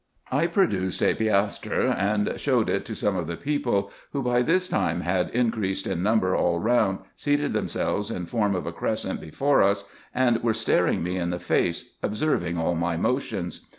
I produced a piastre, and showed it to some of the people, who by this time had increased in number all round, seated themselves in form of a crescent before us, and were staring me in the face, observing all my motions.